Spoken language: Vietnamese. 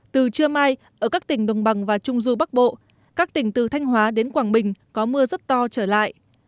từ trưa mai ở các tỉnh đồng bằng và trung du bắc bộ các tỉnh từ thanh hóa đến quảng bình có mưa rất to trở lại